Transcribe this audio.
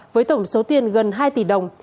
với tổng số tiền gần hai tỷ đồng